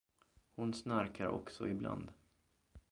Hon snarkar också ibland.